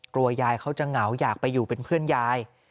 ยายเขาจะเหงาอยากไปอยู่เป็นเพื่อนยาย